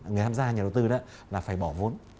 người tham gia nhà đầu tư đó là phải bỏ vốn